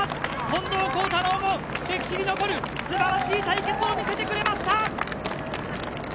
近藤幸太郎も歴史に残る素晴らしい対決を見せてくれました！